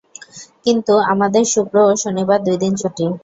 কিন্তু আমাদের শুক্র ও শনিবার দুই দিন ছুটি।